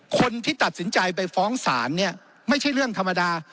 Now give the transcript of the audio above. คนที่ตัดสินใจไปฟ้องศาลเนี่ยไม่ใช่เรื่องธรรมดา